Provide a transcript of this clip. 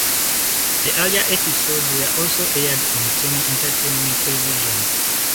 The earlier episodes were also aired on Sony Entertainment Television.